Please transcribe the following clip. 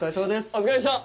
お疲れっした。